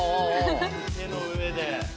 手の上で。